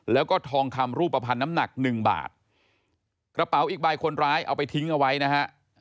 แล้วก็ทองคำรูปภัณฑ์น้ำหนักหนึ่งบาทกระเป๋าอีกใบคนร้ายเอาไปทิ้งเอาไว้นะฮะ